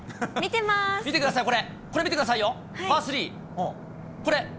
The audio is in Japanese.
見てくださいこれ、これ見てくださいよ、パースリー、これ。